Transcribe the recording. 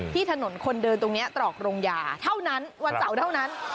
ที่ถนนคนเดินตรงนี้ตรอกโรงยาเท่านั้นวันเสาร์เท่านั้น